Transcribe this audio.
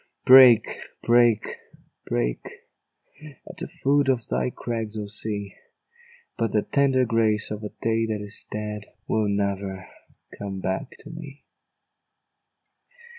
Break, break, break At the foot of thy crags, O Sea! But the tender grace of a day that is dead Will never come back to me.